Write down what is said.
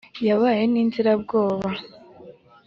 yabaye n' inzirabwoba,